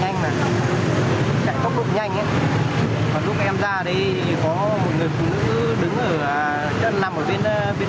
lấy xe phải ngồi ngồi chạy được năm phút rồi